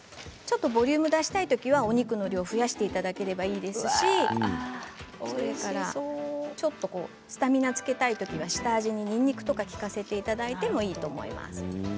ボリュームを出したいときはお肉の量を増やしていただければいいですしちょっとスタミナつけたいときは下味に、にんにくとか利かせていただいてもいいと思います。